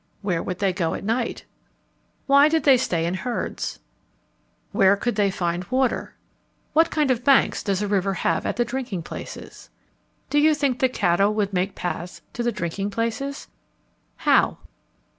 Where would they go at night? Why did they stay in herds? Where could they find water? What kind of banks does a river have at the drinking places? Do you think the cattle would make paths to the drinking places? How?